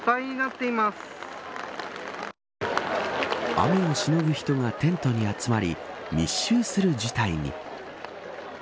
雨をしのぐ人がテントに集まり密集する事態に。